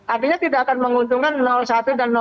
artinya tidak akan mengunjungkan satu dan tiga